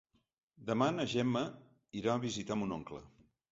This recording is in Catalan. Demà na Gemma irà a visitar mon oncle.